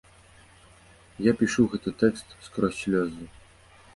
Я пішу гэты тэкст скрозь слёзы.